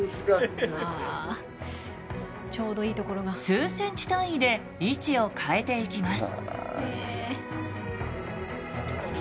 数センチ単位で位置を変えていきます。